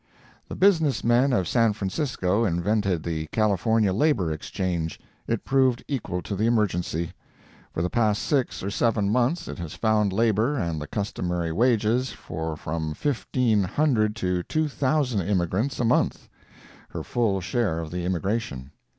The business men of San Francisco invented the California Labor Exchange. It proved equal to the emergency. For the past six or seven months it has found labor and the customary wages for from fifteen hundred to two thousand immigrants a month—her full share of the immigration.